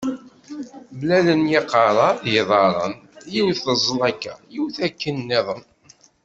Mlalen yiqerra d yiḍarren yiwet teẓẓel aka, yiwet akken nniḍen.